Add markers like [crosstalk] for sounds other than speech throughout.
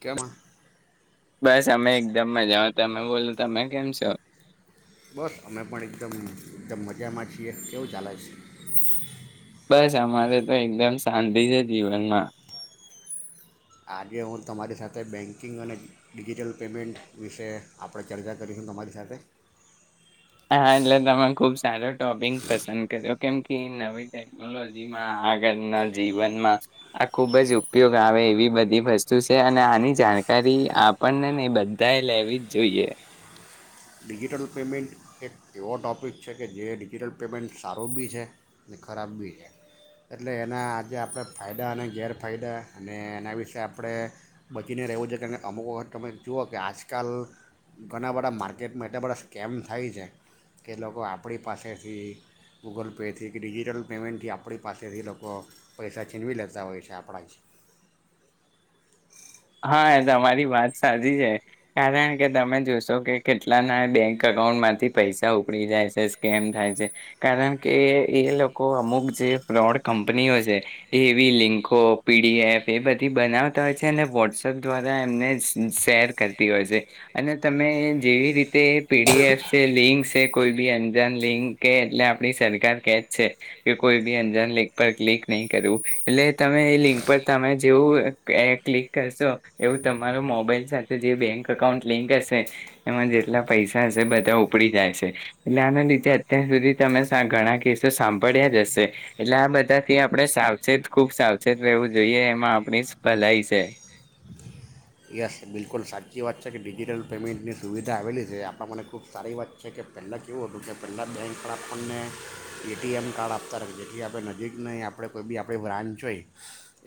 કેમાં બસ અમે એકદમ મજામાં તમે બોલો તમે કેમ છો? બસ અમે પણ એકદમ એકદમ મજામાં છીએ કેવું ચાલે છે? બસ અમારે તો એકદમ શાંતિ છે જીવનમાં આજે હું તમારી સાથે બેન્કિંગ અને ડિજિટલ પેમેન્ટ વિશે આપણે ચર્ચા કરીશું તમારી સાથે હા એટલે તમે ખુબ સારો ટોપિક પસંદ કર્યો કેમ કે નવી ટેકનોલોજીમાં આગળના જીવનમાં આ ખુબ જ ઉપયોગ આવે એવી બધી વસ્તુ સે. અને આની જાણકારી આપણને નહીં બધાએ લેવી જ જોઈએ. ડિજિટલ પેમેન્ટ એક એવો ટૉપિક છે કે જે ડિજિટલ પેમેન્ટ સારું બી છે અને ખરાબ બી છે. એટલે એના આજે આપણે ફાયદા અને ગેરફાયદા અને એના વિશે આપણે બચીને રહેવું છે કે અમુક વખત તમે જુઓ કે આજકાલ ઘણા બધા માર્કેટ માર્કેટમાં એટલા બધા સ્કેમ થાય છે. કે લોકો આપણી પાસેથી ગૂગલ પેથી કે ડિજિટલ પેમેન્ટથી આપણી પાસેથી લોકો પૈસા છીનવી લેતા હોય છે આપણા જ હા તમારી વાત સાચી છે. કારણ કે તમે જોશો કે કેટલાના બેંક અકાઉન્ટમાંથી પૈસા ઉપડી જાય છે, સ્કેમ થાય છે, કારણ કે એ લોકો અમુક જે ફ્રોડ કંપનીઓ છે એવી લિંન્કો, પીડીએફ એ બધી બનાવતા હોય છે ને વોટ વોટ્સઅપ દ્વારા એમને શેર કરતી હોય છે. અને તમે જેવી રીતે પીડીએફ છે, લિંક સે કોઈ બી અંજાન લિંક કે એટલે આપણી સરકાર કે જ છે કે કોઈ બી અંજાન લિંક પર ક્લિક નહીં કરવું. એટલે તમે એ લિંક પર તમે જેવું કે ક્લિક કરશો એવું તમારો મોબાઈલ સાથે જે બેંક અકાઉન્ટ લિંક હશે એમાં જેટલા પૈસા હશે બધા ઉપડી જાય છે. એટલે આના લીધે અત્યાર સુધી તમે ઘણા કેસો સાંભળ્યા જ હશે એટલે આ બધાથી આપણે સાવચેત ખૂબ સાવચેત રહેેવું જોઈએ એમાં આપણી જ ભલાઈ છે. યસ બિલકુલ સાચી વાત છે. કે ડિજિટલ પેમેન્ટની સુવિધા આવેલી છે આપણા માટે ખૂબ સારી વાત છે કે પહેલાં કેવું હતું કે પહેલાં બેંક પર આપણને એટીએમ કાર્ડ આપતા રહે જેથી આપણે નજીક નહી આપણે કોઈ બી આપણી બ્રાન્ચ હોય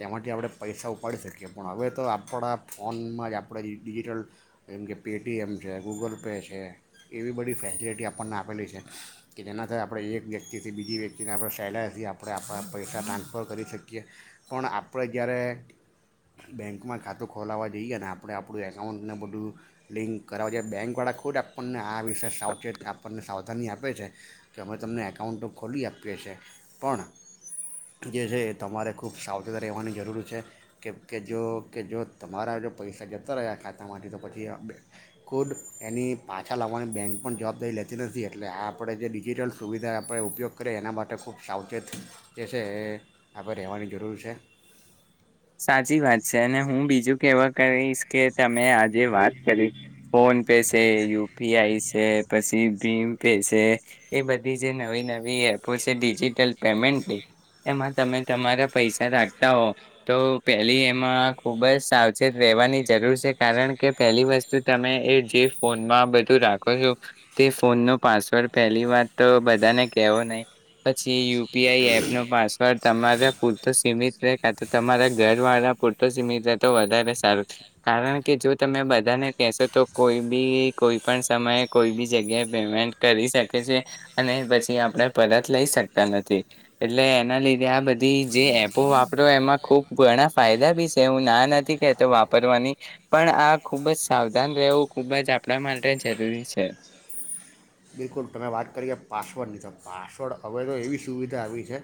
એમાંથી આપણે પૈસા ઉપાડી શકીએ પણ હવે તો આપણા ફોનમાં જ આપણે ડિજિટલ જેમ કે પેટીએમ છે, ગૂગલ પે છે, એવી બધી ફેસિલિટી આપણને આપેલી છે. કે જેનાથી આપણે એક વ્યક્તિથી બીજી વ્યક્તિને આપણે સહેલાઈથી આપણે આપણા પૈસા ટ્રાન્સફર કરી શકીએ. પણ આપણે જ્યારે બેંકમાં ખાતું ખોલાવવા જઈએ ને આપણે આપણું એકાઉન્ટને બધું લિંક કરાવ જઈએ બેંકવાળા ખુદ આપણને આ વિશે સાવચેત આપણને સાવધાની આપે છે કે અમે તમને એકાઉન્ટ તો ખોલી આપીએ છે. પણ જે છે એ તમારે ખૂબ સાવચેત રહેવાની જરૂર છે. કેમ કે જો કે જો તમારા જો પૈસા જતા રહયા ખાતામાંથી તો પછી ખુદ એની પાછા લાવવાની બેંક પણ જવાબદારી લેતી નથી. એટલે આ આપણે જે ડિજિટલ સુવિધા આપણે ઉપયોગ કરીએ એના માટે ખૂબ સાવચેત જે છે એ આપણે રહેવાની જરૂર છે. સાચી વાત છે અને હું બીજું કેવા કરીશ કે તમે આજે વાત કરી ફોન પે છે, યુપીઆઈ છે પછી, ભીમ પે છે એ બધી જે નવી નવી એપો છે ડિજિટલ પેમેન્ટની એમાં તમે તમારા પૈસા રાખતા હો તો પહેલી એમાં ખૂબ જ સાવચેત રહેવાની જરૂર છે. કારણ કે પહેલી વસ્તુ તમે એ જે ફોનમાં બધું રાખો છો તે ફોનનો પાસવર્ડ પહેલી વાત તો બધાને કહેવો નહીં. પછી યુ પી આઈ એપ નો પાસવર્ડ તમારા પૂરતો સીમિત રે કાંતો તમારા ઘરવાળા પૂરતો સીમિત રહે તો વધારે સારું. કારણ કે જો તમે બધાને કહેશો તો કોઈ બી કોઈપણ સમયે કોઈ બી જગ્યાએ પેમેન્ટ કરી શકે છે. અને પછી આપણે પરત લઈ શકતા નથી. એટલે એના લીધે આ બધી જે એપો વાપરો એમાં ખૂબ ઘણા ફાયદા બી છે હું ના નથી કેહેતો વાપરવાની પણ આ ખૂબ જ સાવધાન રહેવું ખૂબ જ આપણા માટે જરૂરી છે. બિલકુલ તમે વાત કરી કે પાસવર્ડની તો પાસવર્ડ હવે તો એવી સુવિધા આવી છે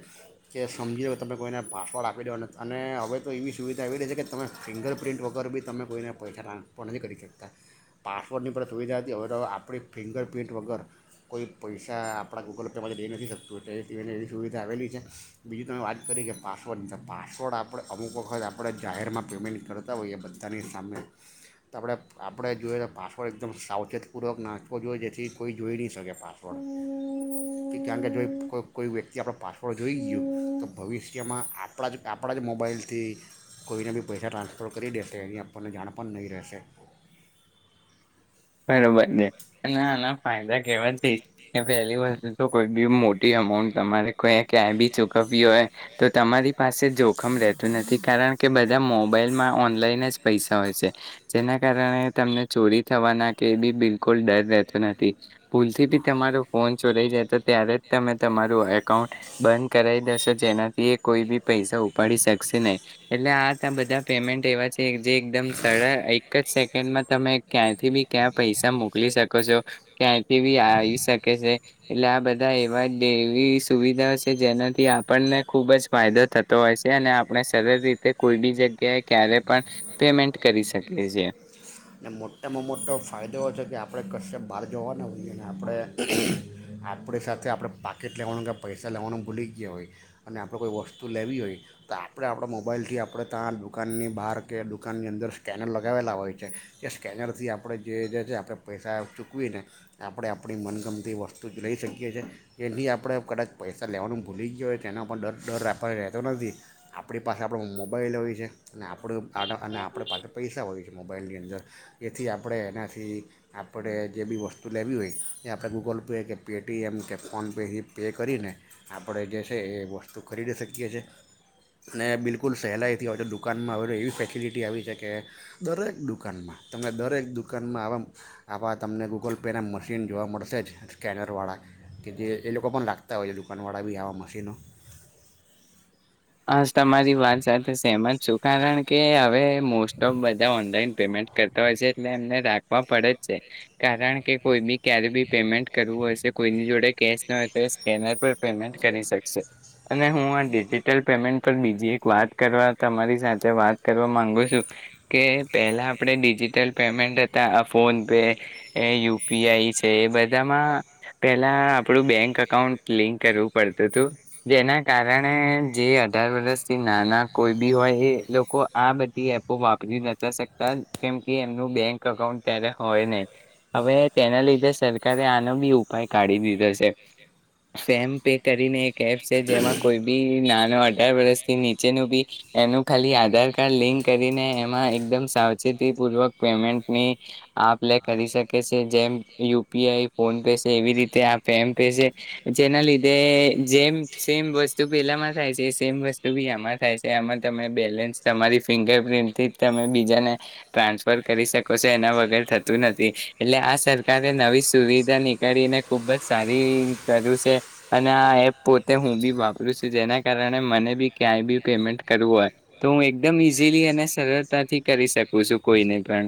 કે સમજી લો તમે કોઈને પાસવર્ડ આપી દેવા નથી અને હવે તો એવી સુવિધા એવી રહી છે કે તમે ફિંગરપ્રિન્ટ વગર બી તમે કોઈને પૈસા ટ્રાન્સફર નથી કરી શકતા. પાસવર્ડની પણ સુવિધા હતી હવે તો આપણી ફિંગરપ્રિન્ટ વગર કોઈ પૈસા આપણા ગૂગલ પેમાંથી લઈ નથી શકતું. તો એ સિય એવી સુવિધા આવેલી છે. બીજી તમે વાત કરી કે પાસવર્ડની તો પાસવર્ડ આપણે અમુક વખત આપણે જાહેરમાં પેમેન્ટ કરતા હોઈએ બધાની સામે તો આપણે આપણે જોઈએ તો પાસવર્ડ એકદમ સાવચેતપૂર્વક નાખવો જોઈએ. જેથી કોઈ જોઈ ની શકે. પાસવર્ડ કારણ કે જો કો કોઈ વ્યક્તિ આપણ પાસપોર્ડ જોઈ ગયું તો ભવિષ્યમાં આપણા જ આપણા જ મોબાઈલથી કોઈને બી પૈસા ટ્રાન્સફર કરી દેશે એની આપણને જાણ પણ નહીં રહેશે. બરોબર છે. અને આના ફાયદા કેવાથી કે પહેલી વસ્તુ તો કોઈ બી મોટી અમાઉન્ટ તમારે કોઈ ક્યાંય બી ચુકવવી હોય તો તમારી પાસે જોખમ રહેતું નથી. કારણ કે બધા મોબાઈલમાં ઓનલાઈન જ પૈસા હોય છે. જેના કારણે તમને ચોરી થવાના કે બી બિલકુલ ડર રહેતો નથી. ભૂલથી બી તમારો ફોન ચોરાઈ જાયતો ત્યારે જ તમે તમારું એકાઉન્ટ બંધ કરાઈ દશો જેનાથી એ કોઈ બી પૈસા ઉપાડી શકશે નહીં. એટલે આ તો બધા પેમેન્ટ એવા છે જે એકદમ સરા એક જ સેકન્ડમાં તમે ક્યાંથી બી ક્યાં પૈસા મોકલી શકો છો, ક્યાંથી બી આવી શકે છે. એટલે આ બધા એવા એવી સુવિધા છે જેનાથી આપણને ખૂબ જ ફાયદો થતો હોય છે. અને આપણે સરળ રીતે કોઈ બી જગ્યાએ ક્યારે પણ પેમેન્ટ કરી શકીએ છીએ. અને મોટામાં મોટો ફાયદો એ છે કે આપણે કશ્યપ બહાર જવાના હોઈએ અને આપણે આપણી સાથે આપણે પાકેટ લેવાનું કે પૈસા લેવાનું ભૂલી ગયા હોય અને આપણે કોઈ વસ્તુ લેવી હોય તો આપણે આપણા મોબાઈલથી આપણે ત્યાં દુકાનની બહાર કે દુકાનની અંદર સ્કેનર લગાવેલા હોય છે એ સ્કેનરથી આપણે જે જે છે આપણે પૈસા ચૂકવીને આપણે આપણી મનગમતી વસ્તુ જ લઈ શકીએ છીએ. એની આપણે કદાચ પૈસા લેવાનું ભૂલી ગયો હોય તેના પણ ડર રાખવાથી રહેતો નથી. આપણી પાસે આપણો મોબાઈલ હોય છે અને આપણું આ અને આપણે પાસે પૈસા હોય કે મોબાઈલની અંદર એથી આપણે એનાથી આપણે જે બી વસ્તુ લેવી હોય એ આપણે ગૂગલ પે, કે પેટીએમ કે, ફોનપેથી પે કરીને આપણે જે છે એ વસ્તુ ખરીદી શકીએ છે. અને બિલકુલ સહેલાઈથી હોય તો દુકાનમાં હવે તો એવી ફેસિલિટી આવી છે કે દરેક દુકાનમાં તમને દરેક દુકાનમાં આવા આવા તમને ગૂગલ પેના મશીન જોવા મળશે જ સ્કેનરવાળા કે જે એ લોકો પણ રાખતા હોય છે દુકાનવાળા બી આવાં મશીનો હ તમારી વાત સાથે સેમત જ છું કારણ કે હવે મ મોસ્ટ ઓફ બા ઓનલાઈ પેમેન્ટ કરતા હોય છે એટલે એમને રાખવા પડે જ છે કારણ કે કોઈ બી ક્યારે બી પેમેન્ટ કરવું હશે કોઈની જોડે કેશ ના હોય તો એ સ્કેનર પર પેમેન્ટ કરી શકશે અને હું આ ડિજિટલ પેમેન્ટ પર બીજી એક વાત કરવા તમારી સાથે વાત કરવા માગુ છું કે પહેલાં આપણે ડિજિટલ પેમેન્ટ હતા ફોન પે એ યુપીઆઈ છે એ બધામાં પહેલાં આપણું બેંક અકાઉન્ટ લિંક કરવું પડતું હતું જેના કારણે જે અઢાર વર્થી નાના કોઈ બી હોય એ લોકો આ બધી એપો વાપરી ન શકતા કેમ કે એમનું બેંક અકાઉન્ટ ત્યારે હોય નહી હવે તેના લીધે સરકારે આનો બી ઉપાય કાઢી દીધો છે ફેમ પે કરીને એક એપ છે જેમાં કોઈ બી ના અઢાર વર્ષથી નીચેનું બી એનું ખાલી આધાર કાર્ડ લિંક કરીને એમાં એકદમ સાવચેતી પૂર્વક પેમેન્ટની આપ કરી શકે છે જેમ યુપીઆઈ ફોન પે છે એવી રીતે આપે એમ પે છે જેના લીધે જેમ સેમ વસ્તુ પેલા સેમ વસ્તુ બી એમાં થાય છે એમાં ત બેલેન્સ તમારી ફિંગર પ્ર્રિન્ટથી તમે બીજાને ટ્રાન્સફર કરી શકો છો એના વગર થતું નથી એટલે આ સરકારે નવી સુવિધા નીકળીને ખુબ જ સારી કર્યું છે અને આ એપ પોતે હું બી વાપરું છું જેના કારણે મને બી ક્યાંય બી પેમેન્ટ કરવું હોય તો હું એકદમ ઈઝીલી અને સરળતાથી કરી શકું છું કોઈને પણ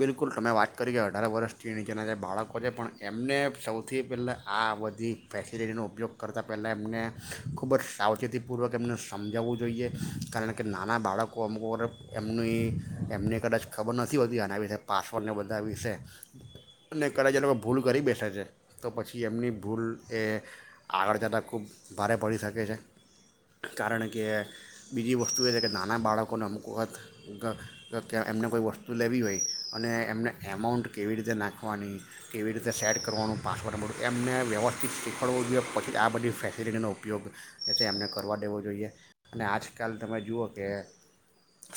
બિલકુલ તમે વાત કરી કે અઢાર વર્ષથી નીચેના જે બાળકો છે પણ એમને સૌથી પહેલાં આ બધી ફેસિલિટીનો ઉપયોગ કરતાં પહેલાં એમને ખૂબ જ સાવચેતીપૂર્વક એમને સમજાવવું જોઈએ કારણ કે નાના બાળકો અમ એમની એમને કદાચ ખબર નથી હોતી આના વિ જે પાસવર્ડને બધા વિશે અને કદાચ લોકો ભૂલ કરી બેસે છે તો પછી એમની ભૂલ એ આગળ જતાં ખૂબ ભારે પડી શકે છે કારણ કે બીજી વસ્તુ એ છે કે નાના બાળકોને અમુક વાત એમને કોઈ વસ્તુ લેવી હોય અને એમને એમાઉન્ટ કેવી રીતે નાખવાની કેવી રીતે સેટ કરવાનું પાસવર્ડ ન એમને વ્યવસ્થિત શીખવાડવું જોઈએ પછી આ બધી ફેસિલિટીનો ઉપયોગ એ છે એમને કરવા દેવો જોઈએ અને આજકાલ તમે જુઓ કે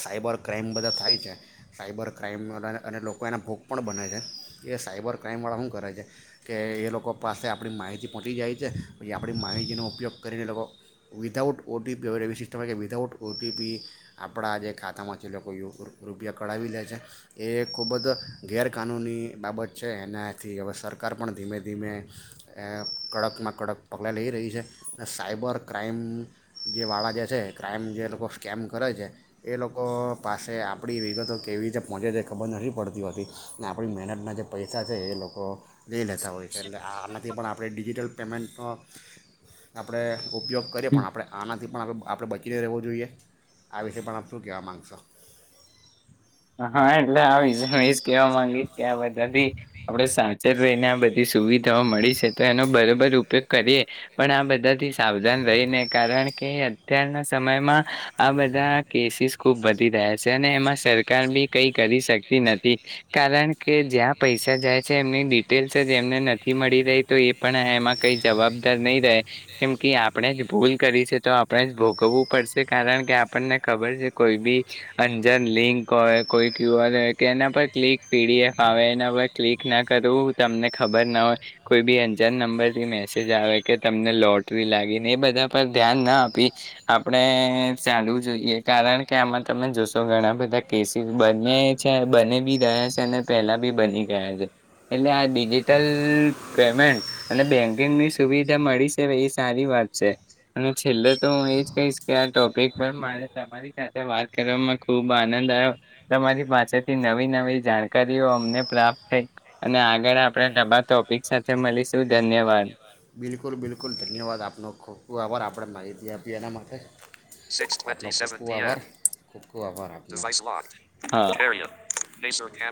સાઈબર ક્રાઈમ બધા થાય છે સાયબર ક્રાઈમા અને લોકો એના ભોગ પણ બને છે એ સાયબર ક્રાઈમવાળા શું કરે છે કે એ લોકો પાસે આપણી માહિતી પહોંચી જાય છે પછી આપણી માહિતીનો ઉપયોગ કરીને એ લોકો વિધાઉટ ઓટીપી એવી સિસ્ટમ હો કે વિધાઉટ ઓટીપી આપણા જે ખાતામાંથી એ લોકો રૂપિયા કઢાવી લે છે એ એ ખૂબ જ ગેરકાનૂની બાબત છે એનાથી હવે સરકાર પણ ધીમે ધીમે કડકમાં કડક પગલાં લઈ રહી છે સાયબર ક્રાઈમ જેવાળા જે છે ક્રાઈઇમ જે લોકો સ્કેમ કરે છે એ લોકો પાસે આપણી વિગતો કેવી રીતે પહોંચે છે ખબર નથી પડતી હોતી ને આપણી મહેનતના જે પૈસા છે એ લોકો લઈ લેતા હોય છે એટલે આનાથી પણ આપણે ડિજિટલ પેમેન્ટ તો આપણે ઉપયોગ કરીએ પણ આપણે આના આથી પણ આપણે બચીને રહેવું જોઈએ આ વિશે પણ આપ શું કહેવા માગશો હા એટલે આ વિુંશે એજ કેવા માંગીશ કે આ બધાથી આપણે સાવચેત રહીને આ બધી સુવિધાઓ મળી છે તો એનો બરોબર ઉપયોગ કરીએ પણ આ બધાથી સાવધાન રહીને કારણ કે અત્યારના સમયમાં આ બધા કેસીસ ખુબ વધી રહ્યા છે અને એમાં સર સરકાર બી કઈ કરી શકતી નથી કારણ કે જ્યાં પૈસા જાય છે એમની ડિટેલ્સ જ એમને નથી મળી રહી તો એ પણ એમાં કઈ જવાબદાર નહી રહે કેમ કે આપણે જ ભૂલ કરી છે તો આપણે જ ભોગવવું પડશે કારણ કે આપણને ખબર છે કોઈ બી અંજાન લિંક કો કોઈ ક્યુઆર હોય કે એના પર ક્લિક પીડીએફ આવે એના પર ક્લિક ના કરવું તમને ખબર ના હોય કોઈ બી અંજાન નંબરથી મેસેજ આવે કે તમને લોટરી લાગીને એ બધા પર ધ્યાન ના આપી આપણે ચાલવું જોઈએ કારણ કે આમાં તમે જોશો ઘણા બધા કેસીસ બને્યા છે બને બી રહયા છે અને પહેલાં બી બની ગયા છે એટલે આ ડિજિટલ પેમેન્ટ અને બેન્કિંગની સુવિધા મળી શે એ સારી વાત છે અને છેલ્લે તો હું એ જ કહીશ કે આ ટોપિક પર મારે તમારી સાથે વાત કરવામાં ખૂબ આ આનંદ આન્યો તમારી પાસેથી નવી નવી જાણકારીઓ અમને પ્રાપ્ત થઈ અને આગળ આપણે નબા ટોપિક સાથે મળીશું ધન્યવાદ બિલકુલ બિલકુલ ધન્યવાદ આપનો ખુબ ખુબ આભાર આપડે માહિતી આપીએ એના માટે ખુબ ખુબ આભાર હા [unintelligible] લઈશો કેમ